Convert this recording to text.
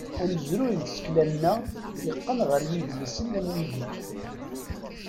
Amezruy n tsekla-nneɣ, yeqqen ɣer yidlisen am wigi.